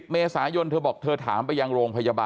๒๐เมษายน